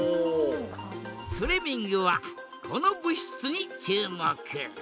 フレミングはこの物質に注目。